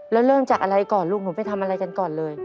แล้วเริ่มจากอะไรก่อนลูกหนูไปทำอะไรกันก่อนเลย